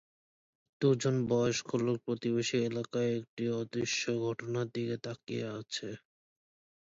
দু'জন বয়স্ক লোক প্রতিবেশী এলাকায় একটি অদৃশ্য ঘটনার দিকে তাকিয়ে আছে।